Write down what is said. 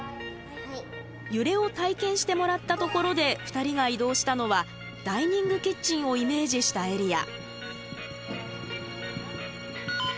揺れを体験してもらったところで２人が移動したのはダイニングキッチンをイメージしたエリア。